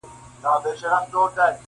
نه په طبیب سي نه په دعا سي-